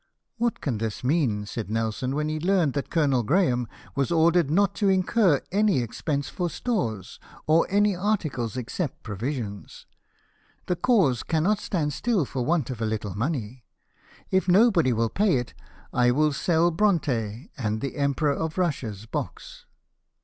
" What can this mean ?" said Nelson, when he learnt that Colonel Graham was ordered not to incur any expense for stores, or any articles except provisions, " the cause cannot stand still for want of a little money. If nobody will pay it I will sell Bronte and the Emperor of Russia's box."